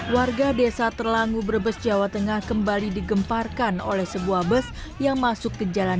warga desa terlangu brebes jawa tengah kembali digemparkan oleh sebuah bus yang masuk ke jalan